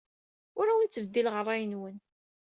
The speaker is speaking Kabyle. Ur awen-ttbeddileɣ ṛṛay-nwen.